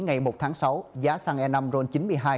ngày một tháng sáu giá xăng e năm ron chín mươi hai